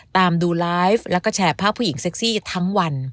ตามดูไลฟ์แล้วก็แชร์ภาพผู้หญิงเซ็กซี่ทั้งวัน